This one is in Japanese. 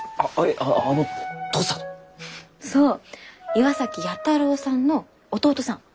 岩崎弥太郎さんの弟さん。